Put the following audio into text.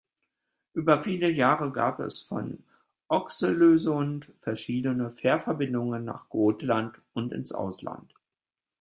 Über viele Jahre gab es von Oxelösund verschiedene Fährverbindungen nach Gotland und ins Ausland.